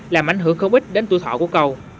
làm ảnh hưởng không ít đến tuổi thọ của cầu